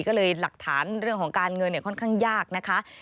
ก็เลยหลักฐานเรื่องของการเงินค่อนข้างยากนะคะ